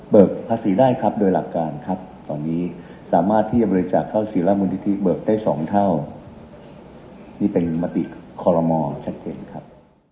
ภาษีได้ครับโดยหลักการครับตอนนี้สามารถที่จะบริจาคเข้าศิลมูลนิธิเบิกได้๒เท่านี่เป็นมติคอลโลมอชัดเจนครับ